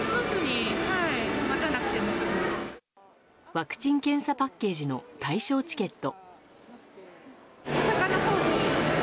ワクチン・検査パッケージの対象チケット。